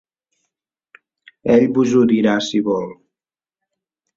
Ell vos ho dirà si vol…